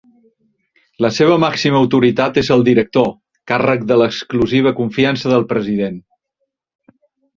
La seva màxima autoritat és el Director, càrrec de l'exclusiva confiança del president.